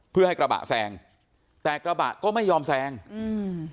เพื่อให้กระบะแซงแต่กระบะก็ไม่ยอมแซงอืม